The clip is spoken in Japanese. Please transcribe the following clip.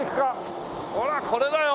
ほらこれだよ。